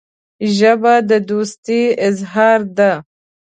ژبه د دوستۍ اظهار ده